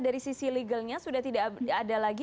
dari sisi legalnya sudah tidak ada lagi